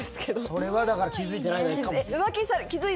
それはだから気付いてないだけかも。